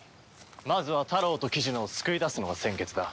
まずはタロウと雉野を救い出すのが先決だ。